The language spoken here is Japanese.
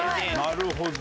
なるほど。